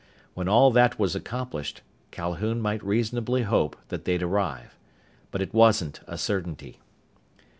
When all that was accomplished, Calhoun might reasonably hope that they'd arrive. But it wasn't a certainty.